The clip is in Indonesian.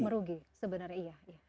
merugi sebenarnya iya